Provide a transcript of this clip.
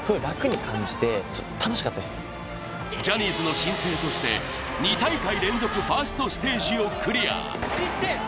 ジャニーズの新星として２大会連続ファーストステージをクリア。